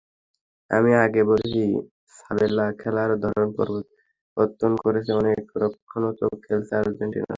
আমি আগে বলেছি, সাবেলা খেলার ধরন পরিবর্তন করেছেন, অনেক রক্ষণাত্মক খেলেছে আর্জেন্টিনা।